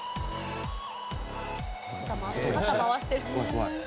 肩回してる。